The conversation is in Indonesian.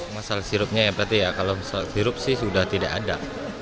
masalah sirupnya ya berarti ya kalau sirup sih sudah tidak ada